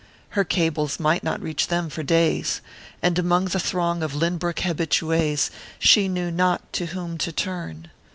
Her cables might not reach them for days. And among the throng of Lynbrook habitués, she knew not to whom to turn.